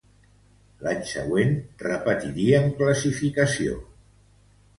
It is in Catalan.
L'any següent, repetirien classificació.